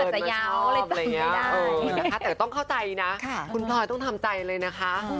แต่ต้องเข้าใจนะคุณพลอยต้องทำใจเลยนะคะ